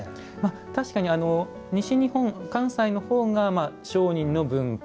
確かに西日本関西の方が商人の文化。